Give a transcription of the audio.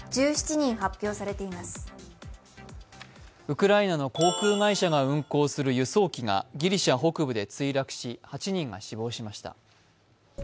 ウクライナの航空会社が運航する輸送機がギリシャ北部で墜落し８人が死亡しました。